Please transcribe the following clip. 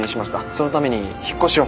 そのために引っ越しを。